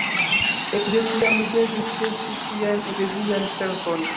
Ekde tiam li devis ĉesi sian eklezian servon.